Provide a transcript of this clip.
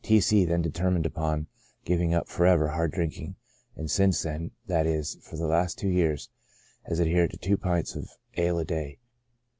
T. C — then determined upon giving up for ever hard drinking, and since then, that is, for the last two years, has adhered to two pints of ale a day.